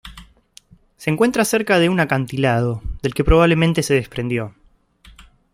Se encuentra cerca de un acantilado, del que probablemente se desprendió.